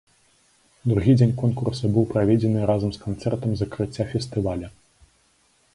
Другі дзень конкурса быў праведзены разам з канцэртам закрыцця фестываля.